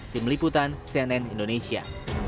tim liputan cnn indonesia